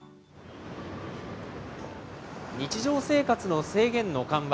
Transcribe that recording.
日常生活の制限の緩和。